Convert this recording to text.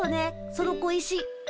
その小石。